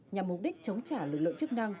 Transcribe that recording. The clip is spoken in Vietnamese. nhằm mục đích chống trả lực lượng chức năng